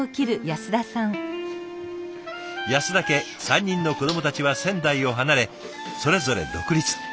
安田家３人の子どもたちは仙台を離れそれぞれ独立。